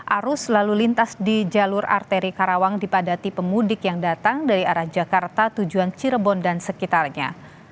arus lalu lintas di jalur arteri karawang dipadati pemudik yang datang dari arah jakarta tujuan cirebon dan sekitarnya